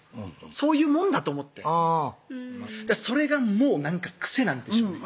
そういうもんだと思ってそれがもうなんか癖なんでしょうね